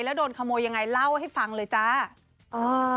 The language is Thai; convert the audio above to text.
แล้วโดนขโมยยังไงเล่าให้ฟังเลยจ้า